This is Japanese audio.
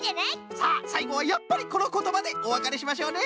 さあさいごはやっぱりこのことばでおわかれしましょうね。